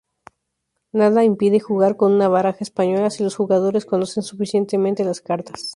Nada impide jugar con una baraja española si los jugadores conocen suficientemente las cartas.